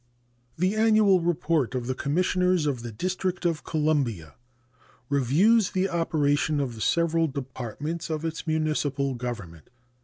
The annual report of the Commissioners of the District of Columbia reviews the operations of the several departments of its municipal government.